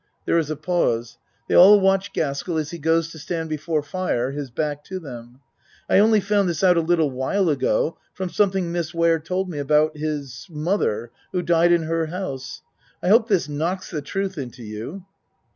(There is a pause. They all watch Gaskell as he goes to stand before fire his back to them.) I only found this out a little while ago, from some thing Miss Ware told me about his mother who died in her house. I hope this knocks the truth into you.